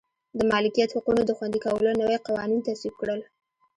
د مالکیت حقونو د خوندي کولو نوي قوانین تصویب کړل.